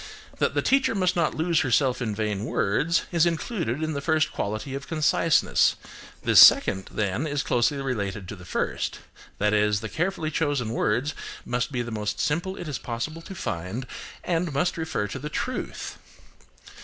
That the teacher must not lose herself in vain words, is included in the first quality of conciseness; this second, then, is closely related to the first: that is, the carefully chosen words must be the most simple it is possible to find, and must refer to the truth.